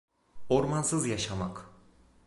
Ormansız yaşamak!